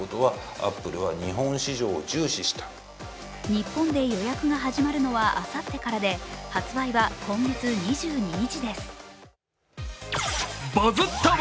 日本で予約が始まるのは、あさってからで発売は今月２２日です。